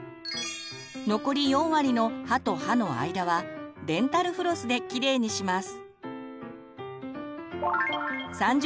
残り４割の歯と歯の間はデンタルフロスできれいにします。